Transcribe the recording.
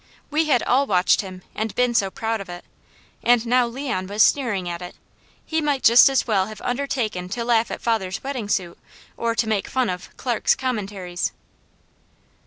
We had all watched him and been so proud of it, and now Leon was sneering at it. He might just as well have undertaken to laugh at father's wedding suit or to make fun of "Clark's Commentaries."